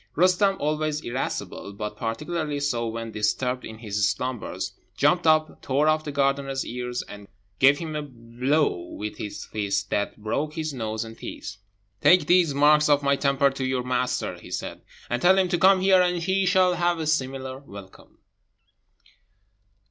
Roostem, always irascible, but particularly so when disturbed in his slumbers, jumped up, tore off the gardener's ears, and gave him a blow with his fist that broke his nose and teeth. "Take these marks of my temper to your master," he said, "and tell him to come here, and he shall have a similar welcome."